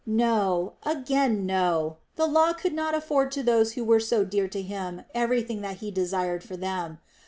No, again no! The Law could not afford to those who were so dear to him everything that he desired for them.